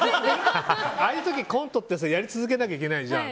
ああいう時、コントってやり続けなきゃいけないじゃん。